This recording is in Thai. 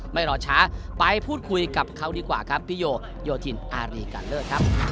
ไม่รอช้าไปพูดคุยกับเขาดีกว่าครับพี่โยโยธินอารีกันเลิศครับ